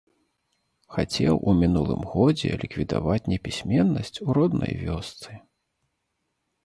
Хацеў у мінулым годзе ліквідаваць непісьменнасць у роднай вёсцы.